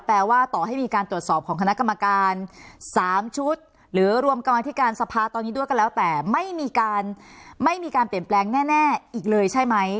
แปลว่าต่อให้มีการตรวจสอบของคณะกรรมการ๓ชุดหรือรวมกรรมธิการสภาตอนนี้ด้วยก็แล้วแต่ไม่มีการไม่มีการเปลี่ยนแปลงแน่อีกเลยใช่ไหม